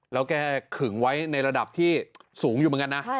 แล้วแกขึงไว้ในระดับที่สูงอยู่เหมือนกันนะ